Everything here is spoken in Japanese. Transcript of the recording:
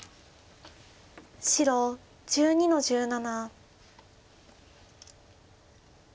白１２の十七。